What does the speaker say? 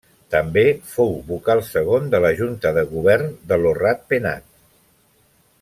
També fou vocal segon de la junta de govern de Lo Rat Penat.